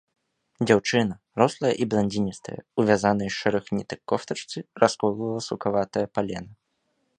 Дзяўчына, рослая і бландзіністая, у вязанай з шэрых нітак кофтачцы, расколвала сукаватае палена.